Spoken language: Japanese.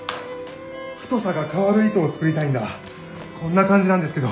太さが変わる糸を作りたいんだこんな感じなんですけど。